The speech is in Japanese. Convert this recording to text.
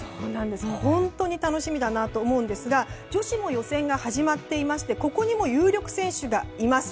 本当に楽しみだなと思うんですが女子の予選が始まっていましてここにも有力選手がいます。